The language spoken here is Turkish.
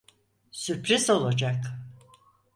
Sürpriz olacak.